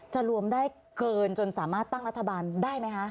รวมได้เกินจนสามารถตั้งรัฐบาลได้ไหมคะ